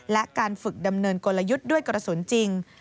และการฝึกดำเนินกลยุทธ์ด้วยกระสุนจริง